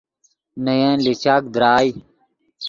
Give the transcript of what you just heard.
نے ین لیچاک درائے